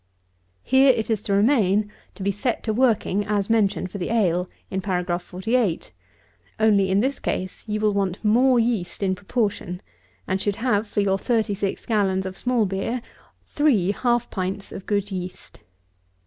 Here it is to remain to be set to working as mentioned for the ale, in Paragraph 48; only, in this case, you will want more yeast in proportion; and should have for your thirty six gallons of small beer, three half pints of good yeast.